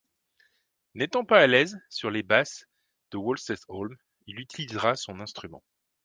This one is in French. N'étant pas à son aise sur les basses de Wolstenholme, il utilisa son instrument.